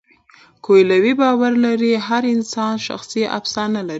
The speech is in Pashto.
کویلیو باور لري هر انسان شخصي افسانه لري.